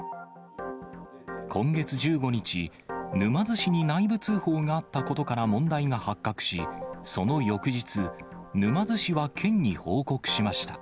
今月１５日、沼津市に内部通報があったことから問題が発覚し、その翌日、沼津市は県に報告しました。